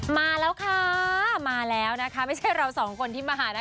มาแล้วค่ะมาแล้วนะคะไม่ใช่เราสองคนที่มาหาแล้ว